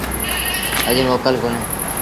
اَڄ موڪل ڪونهي۔